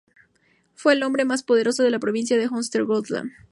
Fue el hombre más poderoso de la provincia de Östergötland.